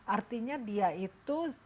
artinya dia itu